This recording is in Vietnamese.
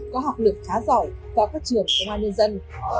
có học lực khá giỏi vào các trường công an nhân dân